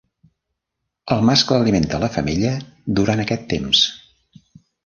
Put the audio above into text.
El mascle alimenta la femella durant aquest temps.